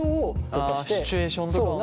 ああシチュエーションとかをね。